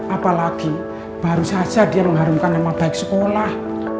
apalagi baru saja dia mengharumkan nama baik sekolah